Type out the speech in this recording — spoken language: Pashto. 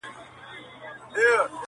نه مي قسمت، نه مي سبا پر ژبه زېرئ لري٫